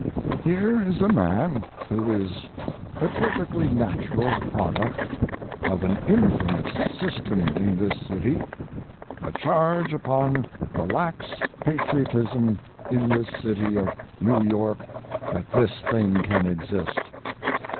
Here is a man who is a perfectly natural product of an infamous system in this city a charge upon the lax patriotism in this city of New York that this thing can exist.